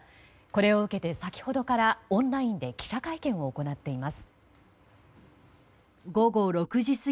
これを受けて先ほどからオンラインで記者会見を行っています。